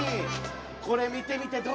これ見てみてどうだい？